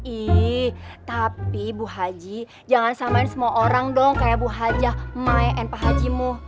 ih tapi bu haji jangan samain semua orang dong kayak bu hajah may and pak hajimu